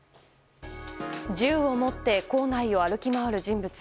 銃を持って校内を歩き回る人物。